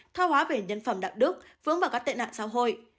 tha hóa về nhân phẩm đạo đức vướng vào các tệ nạn xã hội